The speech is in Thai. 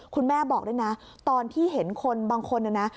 คุณแม่บอกด้วยนะตอนที่เห็นบางคนนะ